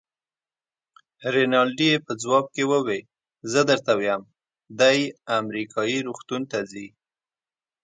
رینالډي یې په ځواب کې وویل: زه درته وایم، دی امریکایي روغتون ته ځي.